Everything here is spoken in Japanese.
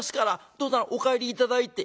どうぞお帰り頂いて」。